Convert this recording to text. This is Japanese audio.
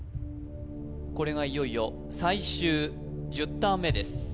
これがいよいよ最終１０ターン目です